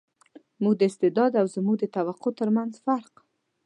زموږ د استعداد او زموږ د توقع تر منځ فرق.